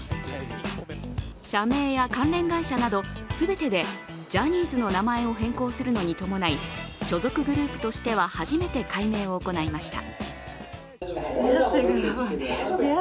社名や関連会社など全てでジャニーズの名前を変更するのに伴い所属グループとしては、初めて改名を行いました。